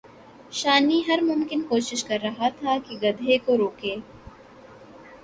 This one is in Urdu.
شانی ہر ممکن کوشش کر رہا تھا کہ گدھے کو روکے